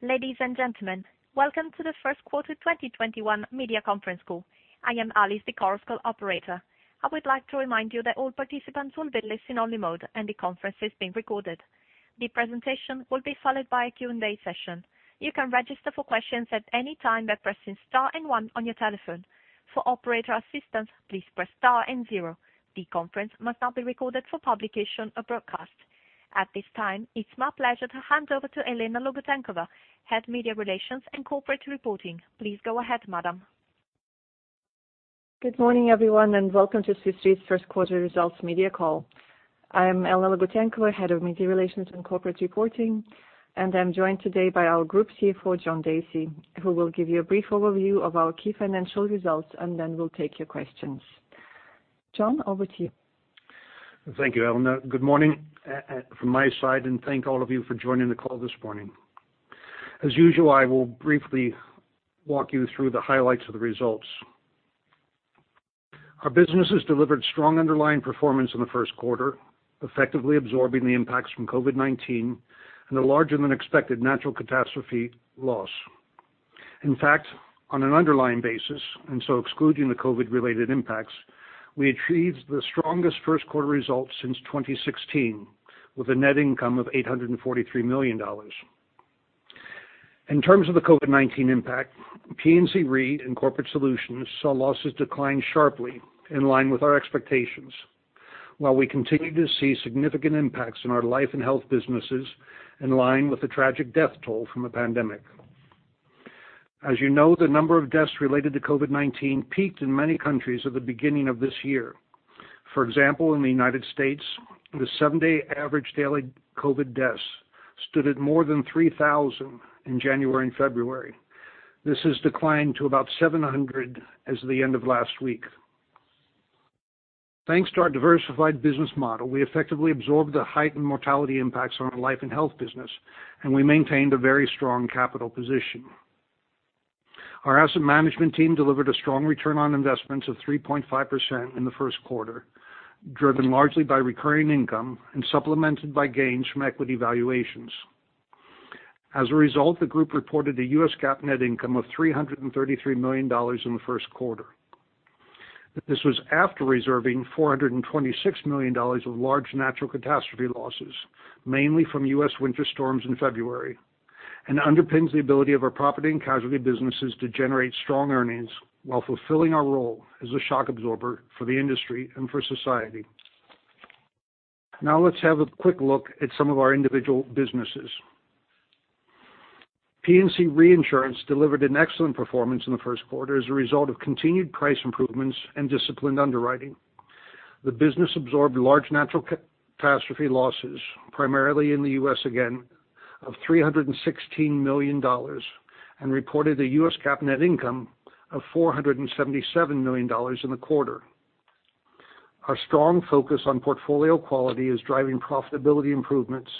Ladies and gentlemen, welcome to the first quarter 2021 media conference call. I am Alice, the Chorus Call operator. I would like to remind you that all participants will be listen-only mode, and the conference is being recorded. The presentation will be followed by a Q&A session. You can register for questions at any time by pressing star and one on your telephone. For operator assistance, please press star and zero. The conference must not be recorded for publication or broadcast. At this time, it's my pleasure to hand over to Elena Logutenkova, Head of Media Relations and Corporate Reporting. Please go ahead, madam. Good morning, everyone, and welcome to Swiss Re's first quarter results media call. I am Elena Logutenkova, Head of Media Relations and Corporate Reporting, and I'm joined today by our Group CFO, John Dacey, who will give you a brief overview of our key financial results, and then we'll take your questions. John, over to you. Thank you, Elena. Good morning from my side, and thank all of you for joining the call this morning. As usual, I will briefly walk you through the highlights of the results. Our businesses delivered strong underlying performance in the first quarter, effectively absorbing the impacts from COVID-19 and a larger than expected natural catastrophe loss. In fact, on an underlying basis, and so excluding the COVID related impacts, we achieved the strongest first quarter results since 2016, with a net income of $843 million. In terms of the COVID-19 impact, P&C Re and Corporate Solutions saw losses decline sharply in line with our expectations. While we continue to see significant impacts on our life and health businesses in line with the tragic death toll from the pandemic. As you know, the number of deaths related to COVID-19 peaked in many countries at the beginning of this year. For example, in the U.S., the seven-day average daily COVID-19 deaths stood at more than 3,000 in January and February. This has declined to about 700 as the end of last week. Thanks to our diversified business model, we effectively absorbed the heightened mortality impacts on our life and health business, and we maintained a very strong capital position. Our asset management team delivered a strong return on investments of 3.5% in the first quarter, driven largely by recurring income and supplemented by gains from equity valuations. As a result, the group reported a U.S. GAAP net income of $333 million in the first quarter. This was after reserving $426 million of large natural catastrophe losses, mainly from U.S. winter storms in February, and underpins the ability of our Property & Casualty businesses to generate strong earnings while fulfilling our role as a shock absorber for the industry and for society. Let's have a quick look at some of our individual businesses. P&C Reinsurance delivered an excellent performance in the first quarter as a result of continued price improvements and disciplined underwriting. The business absorbed large natural catastrophe losses, primarily in the U.S. again, of $316 million, and reported a U.S. GAAP net income of $477 million in the quarter. Our strong focus on portfolio quality is driving profitability improvements,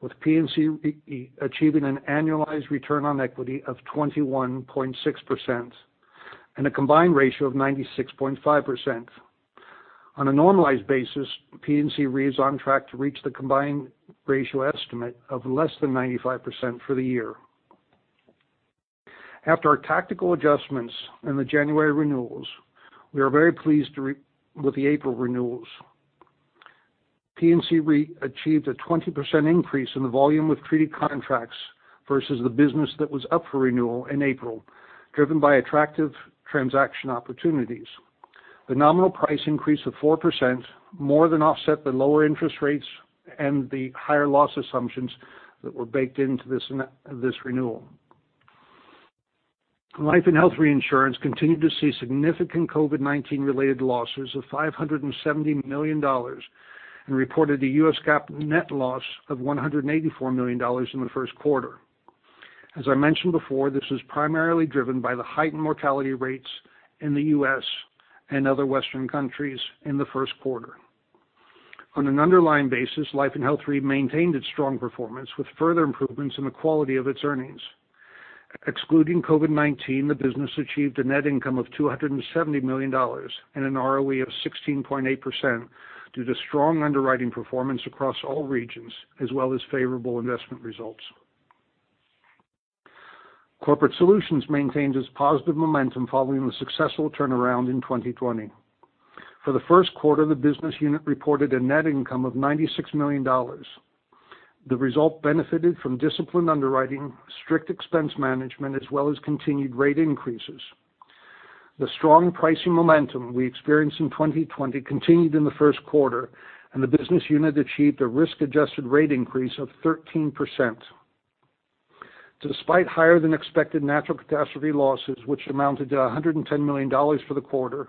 with P&C achieving an annualized return on equity of 21.6% and a combined ratio of 96.5%. On a normalized basis, P&C Re is on track to reach the combined ratio estimate of less than 95% for the year. After our tactical adjustments in the January renewals, we are very pleased with the April renewals. P&C Re achieved a 20% increase in the volume of treaty contracts versus the business that was up for renewal in April, driven by attractive transaction opportunities. The nominal price increase of 4% more than offset the lower interest rates and the higher loss assumptions that were baked into this renewal. Life & Health Reinsurance continued to see significant COVID-19 related losses of $570 million, and reported a U.S. GAAP net loss of $184 million in the first quarter. As I mentioned before, this is primarily driven by the heightened mortality rates in the U.S. and other Western countries in the first quarter. On an underlying basis, Life & Health Re maintained its strong performance with further improvements in the quality of its earnings. Excluding COVID-19, the business achieved a net income of $270 million and an ROE of 16.8% due to strong underwriting performance across all regions, as well as favorable investment results. Corporate Solutions maintains its positive momentum following the successful turnaround in 2020. For the first quarter, the business unit reported a net income of $96 million. The result benefited from disciplined underwriting, strict expense management, as well as continued rate increases. The strong pricing momentum we experienced in 2020 continued in the first quarter, and the business unit achieved a risk-adjusted rate increase of 13%. Despite higher than expected natural catastrophe losses, which amounted to $110 million for the quarter,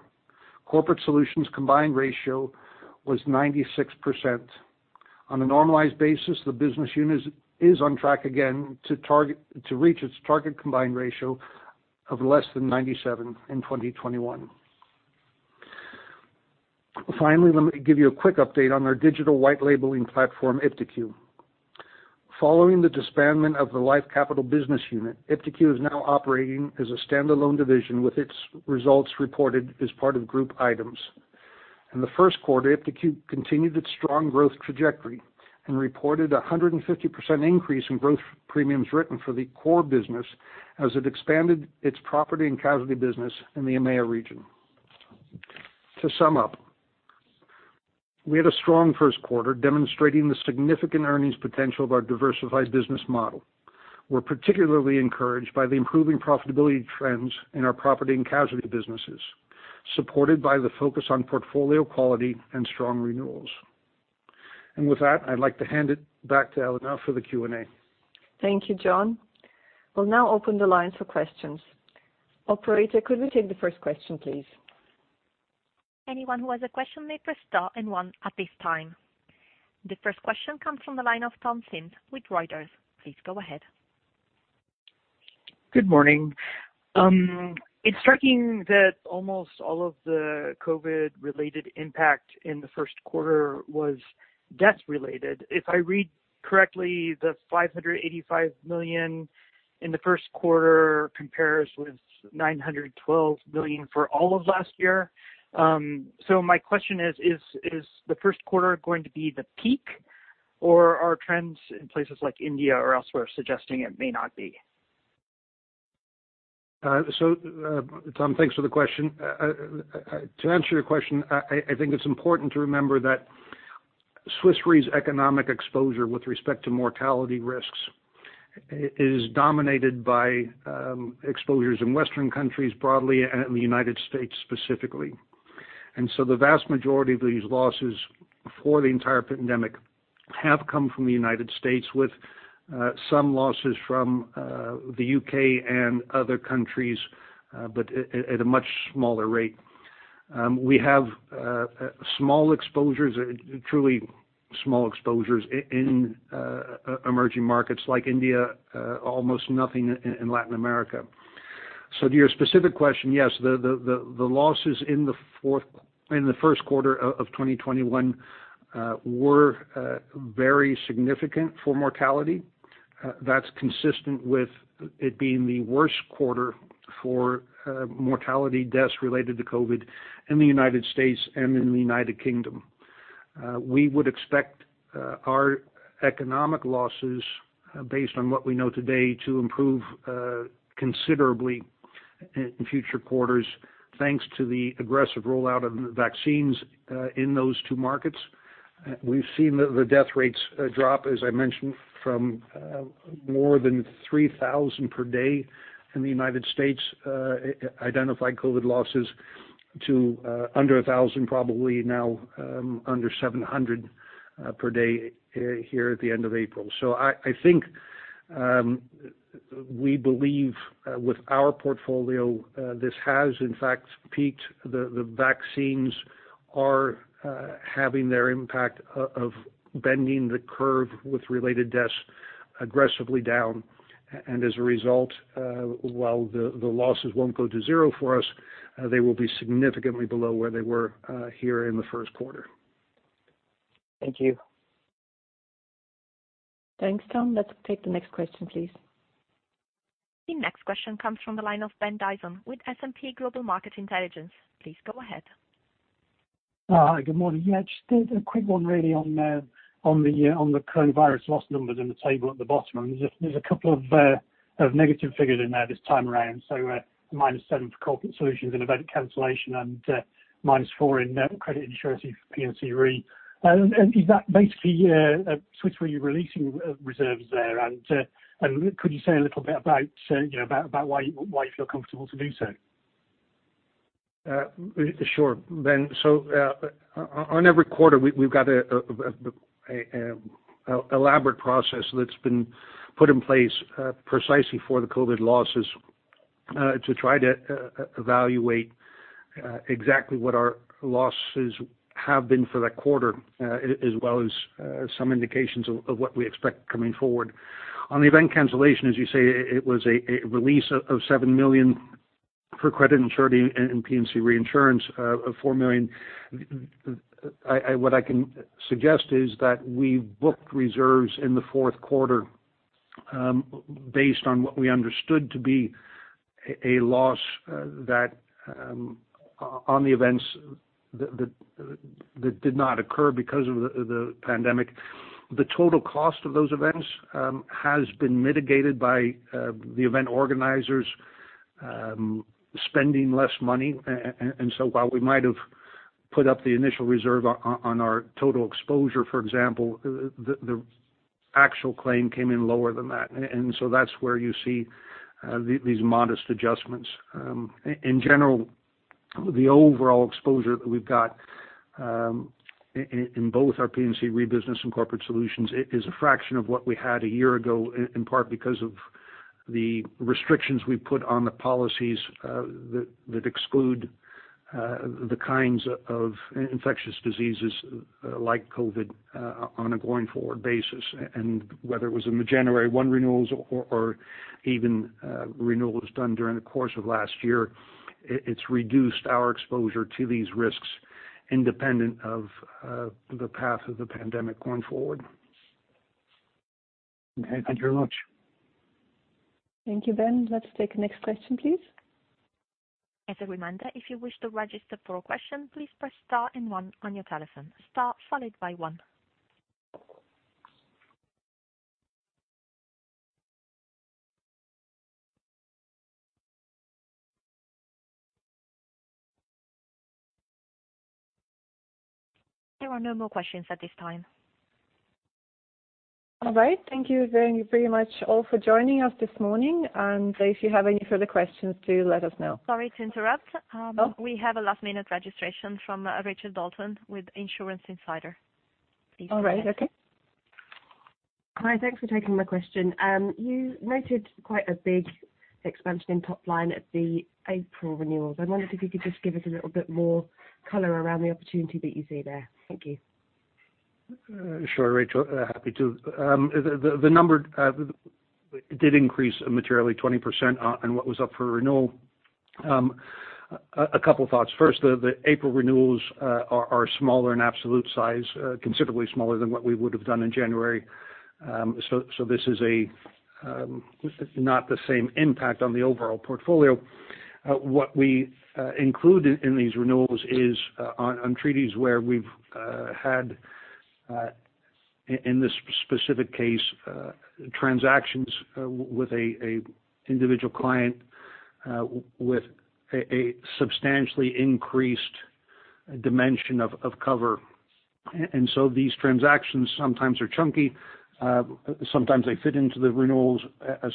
Corporate Solutions combined ratio was 96%. On a normalized basis, the business unit is on track again to reach its target combined ratio of less than 97% in 2021. Finally, let me give you a quick update on our digital white-labelling platform, iptiQ. Following the disbandment of the Life Capital business unit, iptiQ is now operating as a standalone division with its results reported as part of group items. In the first quarter, iptiQ continued its strong growth trajectory and reported 150% increase in gross premiums written for the core business as it expanded its property and casualty business in the EMEIA region. To sum up, we had a strong first quarter demonstrating the significant earnings potential of our diversified business model. We're particularly encouraged by the improving profitability trends in our property and casualty businesses, supported by the focus on portfolio quality and strong renewals. With that, I'd like to hand it back to Elena for the Q&A. Thank you, John. We'll now open the lines for questions. Operator, could we take the first question, please? Anyone who has a question may press star and one at this time. The first question comes from the line of Tom Sims with Reuters. Please go ahead. Good morning. It's striking that almost all of the COVID related impact in the first quarter was death related. If I read correctly, the $585 million in the first quarter compares with $912 million for all of last year. My question is the first quarter going to be the peak or are trends in places like India or elsewhere suggesting it may not be? Tom, thanks for the question. To answer your question, I think it's important to remember that Swiss Re's economic exposure with respect to mortality risks is dominated by exposures in Western countries broadly and in the United States specifically. The vast majority of these losses for the entire pandemic have come from the United States, with some losses from the U.K. and other countries, but at a much smaller rate. We have small exposures, truly small exposures in emerging markets like India, almost nothing in Latin America. To your specific question, yes, the losses in the first quarter of 2021 were very significant for mortality. That's consistent with it being the worst quarter for mortality deaths related to COVID in the United States and in the United Kingdom. We would expect our economic losses based on what we know today to improve considerably in future quarters, thanks to the aggressive rollout of vaccines in those two markets. We've seen the death rates drop, as I mentioned, from more than 3,000 per day in the U.S. identified COVID-19 losses to under 1,000, probably now under 700 per day here at the end of April. I think, we believe with our portfolio this has in fact peaked. The vaccines are having their impact of bending the curve with related deaths aggressively down. As a result, while the losses won't go to zero for us, they will be significantly below where they were here in the first quarter. Thank you. Thanks, Tom. Let's take the next question, please. The next question comes from the line of Ben Dyson with S&P Global Market Intelligence. Please go ahead. Hi, good morning. Yeah, just a quick one really on the coronavirus loss numbers in the table at the bottom. There's a couple of negative figures in there this time around. Minus seven for Corporate Solutions and event cancellation and minus four in credit insurance for P&C Re. Is that basically Swiss Re releasing reserves there? Could you say a little bit about why you feel comfortable to do so? Sure, Ben Dyson. On every quarter, we've got an elaborate process that's been put in place precisely for the COVID-19 losses to try to evaluate exactly what our losses have been for that quarter as well as some indications of what we expect coming forward. On the event cancellation, as you say, it was a release of $7 million for credit insurance and P&C Reinsurance of $4 million. What I can suggest is that we booked reserves in the fourth quarter based on what we understood to be a loss that on the events that did not occur because of the pandemic. The total cost of those events has been mitigated by the event organizers spending less money. While we might have put up the initial reserve on our total exposure, for example, the actual claim came in lower than that. That's where you see these modest adjustments. In general, the overall exposure that we've got in both our P&C Re business and Corporate Solutions is a fraction of what we had a year ago, in part because of the restrictions we put on the policies that exclude the kinds of infectious diseases like COVID on a going forward basis. Whether it was in the January one renewals or even renewals done during the course of last year, it's reduced our exposure to these risks independent of the path of the pandemic going forward. Okay, thank you very much. Thank you, Ben. Let's take the next question, please. As a reminder, if you wish to register for a question, please press star and one on your telephone. Star followed by one. There are no more questions at this time. All right. Thank you very much all for joining us this morning. If you have any further questions, do let us know. Sorry to interrupt. Oh. We have a last-minute registration from Rachel Dalton with Insurance Insider. Please go ahead. All right. Okay. Hi, thanks for taking my question. You noted quite a big expansion in top line at the April renewals. I wondered if you could just give us a little bit more color around the opportunity that you see there. Thank you. Sure, Rachel. Happy to. The number did increase materially 20% on what was up for renewal. A couple thoughts. First, the April renewals are smaller in absolute size, considerably smaller than what we would have done in January. This is not the same impact on the overall portfolio. What we include in these renewals is on treaties where we've had, in this specific case, transactions with an individual client with a substantially increased dimension of cover. These transactions sometimes are chunky, sometimes they fit into the renewals,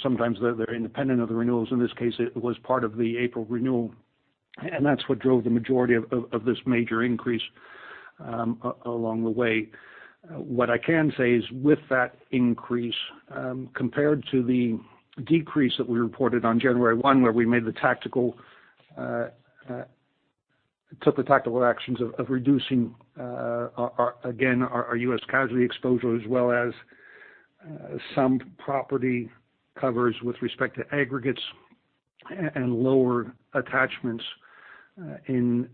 sometimes they're independent of the renewals. In this case, it was part of the April renewal. That's what drove the majority of this major increase along the way. What I can say is with that increase, compared to the decrease that we reported on January one, where we took the tactical actions of reducing, again, our U.S. casualty exposure as well as some property covers with respect to aggregates and lower attachments in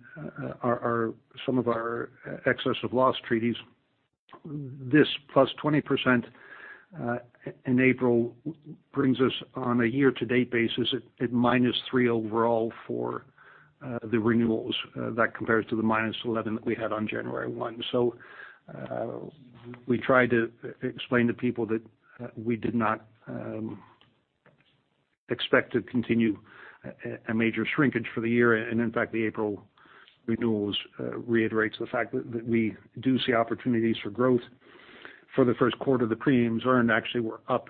some of our excess of loss treaties. This +20% in April brings us on a year-to-date basis at -3 overall for the renewals. That compares to the -11 that we had on January one. We try to explain to people that we did not expect to continue a major shrinkage for the year. In fact, the April renewals reiterates the fact that we do see opportunities for growth. For the first quarter, the premiums earned actually were up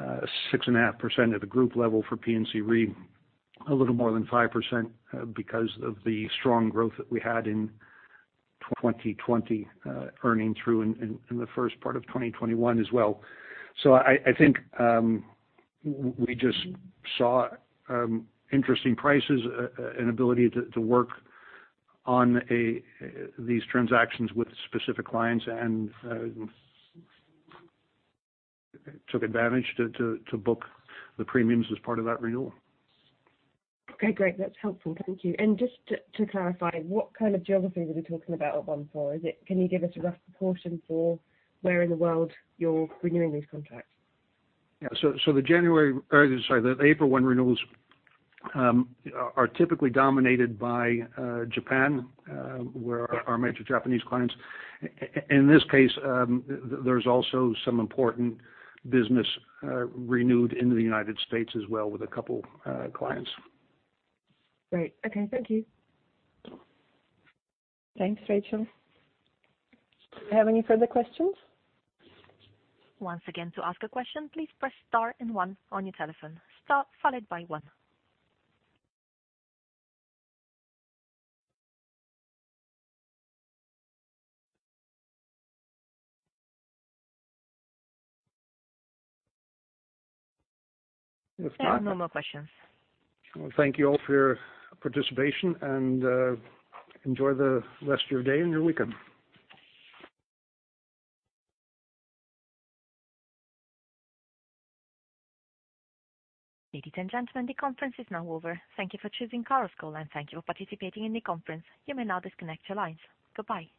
6.5% at the group level for P&C Re, a little more than 5% because of the strong growth that we had in 2020, earning through in the first part of 2021 as well. I think we just saw interesting prices, an ability to work on these transactions with specific clients and took advantage to book the premiums as part of that renewal. Okay, great. That's helpful. Thank you. Just to clarify, what kind of geography are we talking about at one for? Can you give us a rough proportion for where in the world you're renewing these contracts? Yeah. The April one renewals are typically dominated by Japan, where our major Japanese clients. In this case, there's also some important business renewed in the United States as well with a couple clients. Great. Okay. Thank you. Thanks, Rachel. Do we have any further questions? Once again, to ask a question, please press star and one on your telephone. Star followed by one. If not- There are no more questions. Well, thank you all for your participation, and enjoy the rest of your day and your weekend. Ladies and gentlemen, the conference is now over. Thank you for choosing Chorus Call, and thank you for participating in the conference. You may now disconnect your lines. Bye-bye.